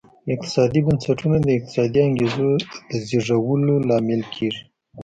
اقتصادي بنسټونه د اقتصادي انګېزو د زېږولو لامل کېږي.